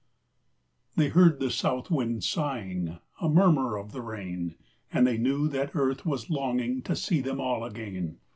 They heard the South wind sighing A murmur of the rain; And they knew that Earth was longing To see them all again.